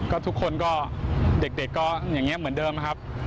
ก็ทุกคนก็เด็กก็อย่างนี้เหมือนเดิมนะครับ